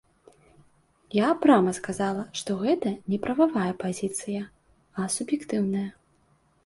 Я прама сказала, што гэта не прававая пазіцыя, а суб'ектыўная.